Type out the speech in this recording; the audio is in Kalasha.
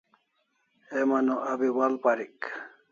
Heman o abi wa'al parik